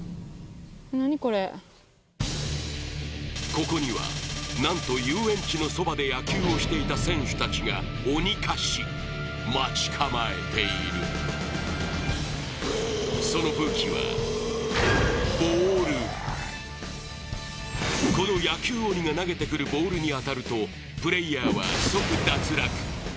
何これここには何と遊園地のそばで野球をしていた選手たちが鬼化し待ち構えているその武器はこの野球鬼が投げてくるボールに当たるとプレイヤーは即脱落